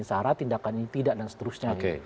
sarah tindakan ini tidak dan seterusnya